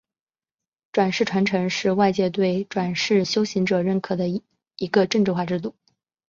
转世传承是外界对转世修行者认可的一个政治化制度。